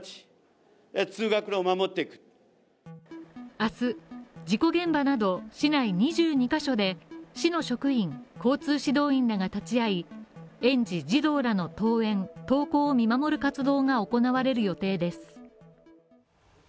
明日事故現場など市内２２ヶ所で市の職員、交通指導員らが立会い、園児児童らの登園登校を見守る活動が行われる予定です。